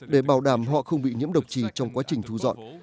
để bảo đảm họ không bị nhiễm độc trì trong quá trình thu dọn